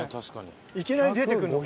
いきなり出てくるのかな。